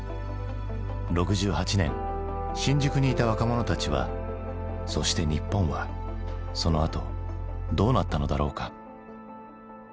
６８年新宿にいた若者たちはそして日本はそのあとどうなったのだろうか？